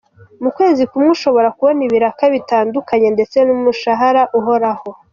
Mu kwezi kumwe ushobora kubona ibiraka bitandukanye ndetse n’umushahara uhoraho.